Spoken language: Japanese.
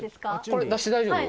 これ出して大丈夫？